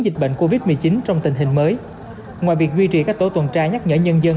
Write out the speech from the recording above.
dịch bệnh covid một mươi chín trong tình hình mới ngoài việc duy trì các tổ tuần tra nhắc nhở nhân dân